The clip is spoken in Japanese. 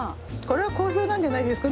これは好評なんじゃないですかね。